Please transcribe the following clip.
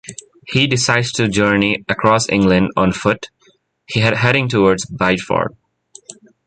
He decides to journey across England on foot, heading towards Bideford.